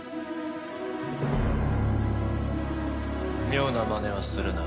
妙なマネはするな。